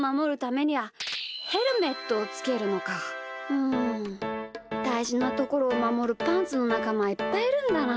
うんだいじなところをまもるパンツのなかまはいっぱいいるんだな。